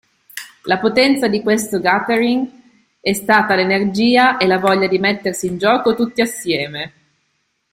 La potenza di questo Gathering è stata l'energia e la voglia di mettersi in gioco tutti assieme.